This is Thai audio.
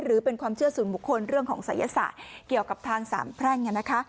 หรือเป็นความเชื่อส่วนบุคคลเรื่องของศัยศาสตร์เกี่ยวกับทางสามแพร่งนะคะ